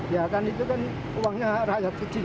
ya kan itu kan uangnya rakyat kecil